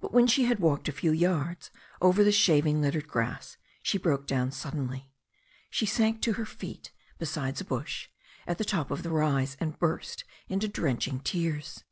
But when she had walked a few yards over the shaving littered grass she broke down sud denly. She sank to her feet beside a bush at the top of the rise, and burst into drenching tears.